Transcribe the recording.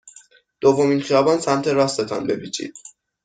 دومین خیابان سمت راست تان بپیچید.